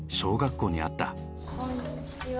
こんにちは。